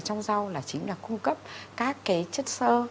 trong rau là chính là cung cấp các cái chất sơ